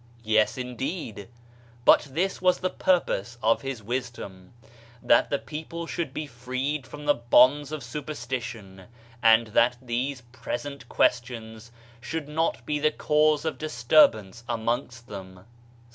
Yes indeed, but this was the purpose of his wisdom: That the people should be freed from the bonds of superstition, and that these present questions should not be the cause of disturbance amongst them.